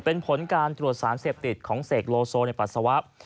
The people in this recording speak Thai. เป็นผลการตรวจสารเสพติดของเสกโลโซในปัสสาวะ